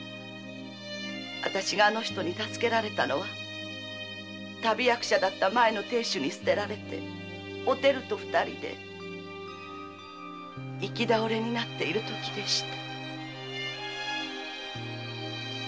私があの人に助けられたのは旅役者だった前の亭主に捨てられおてると二人で行き倒れになっているときでした。